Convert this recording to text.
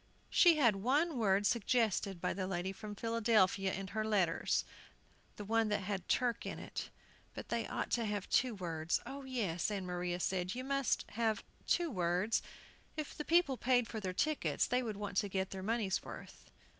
She had one word suggested by the lady from Philadelphia in her letters, the one that had "Turk" in it, but they ought to have two words "Oh, yes," Ann Maria said, "you must have two words; if the people paid for their tickets they would want to get their money's worth."